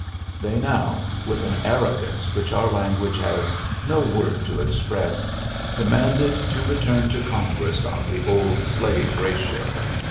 '' They now, with an arrogg which our language has no word to press, demanded to return to Cong on the old slave ratio.